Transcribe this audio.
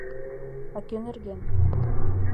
А кӧ нерген?